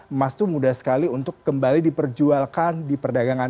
emas itu mudah sekali untuk kembali diperjualkan di perdagangan